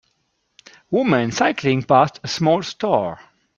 Women cycling past a small store.